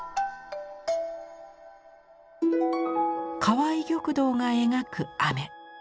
川合玉堂が描く雨。